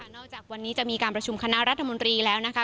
นอกจากวันนี้จะมีการประชุมคณะรัฐมนตรีแล้วนะคะ